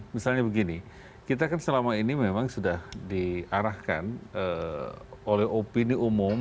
misalnya begini kita kan selama ini memang sudah diarahkan oleh opini umum